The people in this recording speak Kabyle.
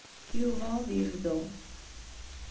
Yuba ad yebdu.